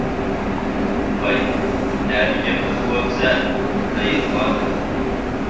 باي:-نەدىكى گەپنى قىلىۋاتىسەن، بۇ پۈتۈنلەي يالغان دەپتۇ.